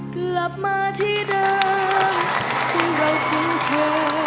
กลับมาที่เดิมที่เราคุ้นเคย